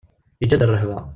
Yeǧǧa-d rrehba.